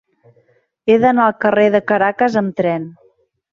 He d'anar al carrer de Caracas amb tren.